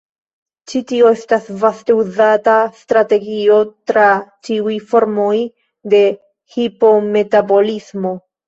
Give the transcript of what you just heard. Ĉi tio estas vaste uzata strategio tra ĉiuj formoj de hipometabolismo.